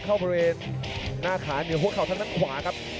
เข้าบริเวณหน้าขาเหนือหัวเข่าทางด้านขวาครับ